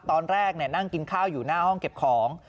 ตอนแรกนั่งกินข้าวอยู่หน้าห้องเก็บของ